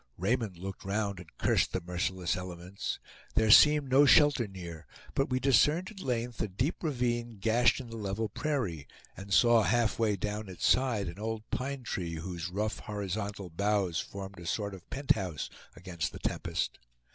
Raymond looked round, and cursed the merciless elements. There seemed no shelter near, but we discerned at length a deep ravine gashed in the level prairie, and saw half way down its side an old pine tree, whose rough horizontal boughs formed a sort of penthouse against the tempest.